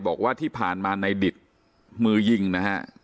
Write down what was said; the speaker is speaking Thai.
บอกว่าที่ผ่านมาในดิตมือยิงนะฮะ